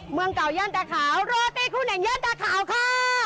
เมืองเก่าย่านตาขาวโรตีคู่หนึ่งย่านตาขาวค่ะ